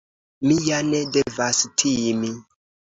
Mi ja ne devas timi.